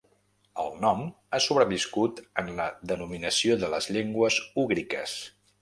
El nom ha sobreviscut en la denominació de les llengües úgriques.